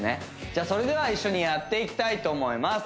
じゃあそれでは一緒にやっていきたいと思います